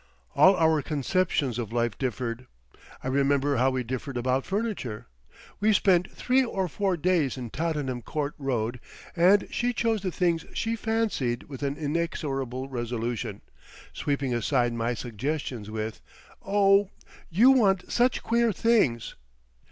All our conceptions of life differed. I remember how we differed about furniture. We spent three or four days in Tottenham Court Road, and she chose the things she fancied with an inexorable resolution,—sweeping aside my suggestions with—"Oh, you want such queer things."